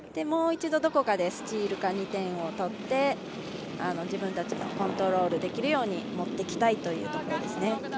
もう一度、どこかでスチールか２点を取って自分たちのコントロールできるように持っていきたいというところです。